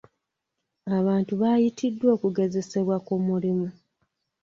Abantu baayitiddwa okugezesebwa ku mulimu.